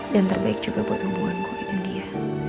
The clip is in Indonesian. dan terbaik juga buat hubunganku ini dia